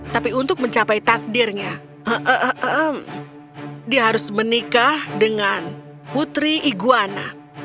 tapi untuk mencapai takdirnya dia harus menikah dengan putri iguana